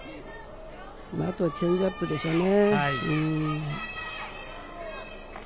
あとはチェンジアップでしょうね。